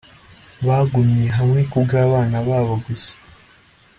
bagumye hamwe kubwabana babo gusa